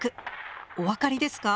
お分かりですか？